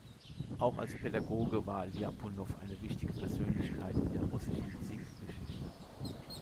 Auch als Pädagoge war Ljapunow eine wichtige Persönlichkeit in der russischen Musikgeschichte.